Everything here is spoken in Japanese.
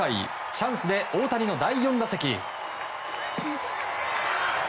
チャンスで大谷の第４打席。